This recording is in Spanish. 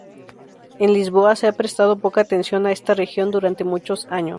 En Lisboa se ha prestado poca atención a esta región durante muchos años.